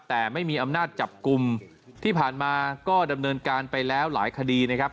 แต่ไม่มีอำนาจจับกลุ่มที่ผ่านมาก็ดำเนินการไปแล้วหลายคดีนะครับ